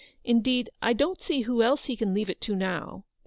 Indeed, I don't see who else he can leave it to now.